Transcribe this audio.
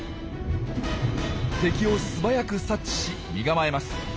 敵を素早く察知し身構えます。